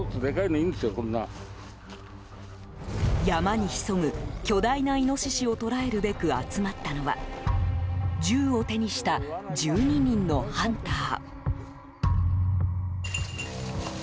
山に潜む巨大なイノシシを捕らえるべく集まったのは銃を手にした１２人のハンター。